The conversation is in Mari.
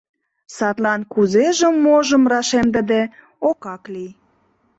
Садлан кузежым-можым рашемдыде окак лий.